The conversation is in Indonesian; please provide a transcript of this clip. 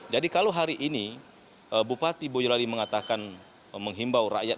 jadi kalau hari ini bupati boyolali mengatakan menghimbau rakyat